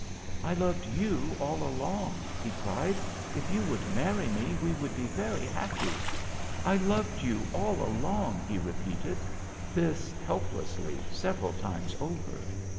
" I loved you all along," he cried. " If you would marry me we would be very happy. I loved you all along," he repeated this helplessly, several times over.